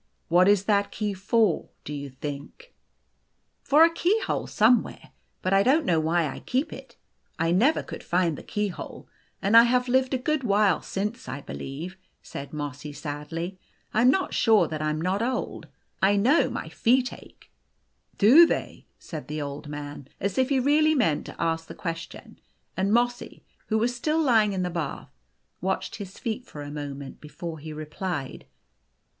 What is that key for, do you think ? r " For a keyhole somewhere. But I don't know why I keep it. I never could find the keyhole. And I have lived a good while, I believe," said Mossy, sadly. " I 'in not sure that I 'in not old. I know my feet ache." "Do they ?" said the Old Man, as if he really meant to ask the question ; and Mossy, who was still lying in the bath, watched his feet for a moment before he re plied.